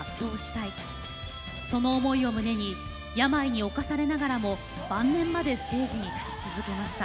その思いを胸に病に侵されながらも晩年までステージに立ち続けました。